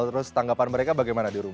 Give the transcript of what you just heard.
terus tanggapan mereka bagaimana diurus